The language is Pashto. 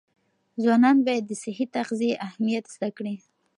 ځوانان باید د صحي تغذیې اهمیت زده کړي.